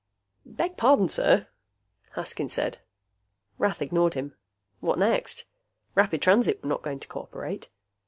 "Beg pardon, sir," Haskins said. Rath ignored him. What next? Rapid Transit was not going to cooperate.